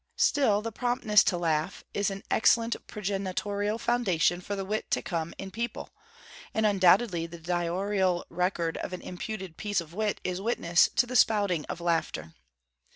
Still the promptness to laugh is an excellent progenitorial foundation for the wit to come in a people; and undoubtedly the diarial record of an imputed piece of wit is witness to the spouting of laughter.